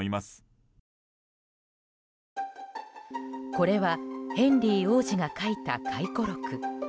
これはヘンリー王子が書いた回顧録。